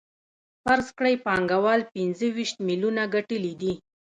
فرض کړئ پانګوال پنځه ویشت میلیونه ګټلي دي